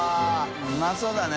うまそうだね。